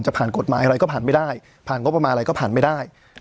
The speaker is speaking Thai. จะผ่านกฎหมายอะไรก็ผ่านไม่ได้